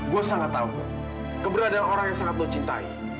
gue sangat tahu keberadaan orang yang sangat lo cintai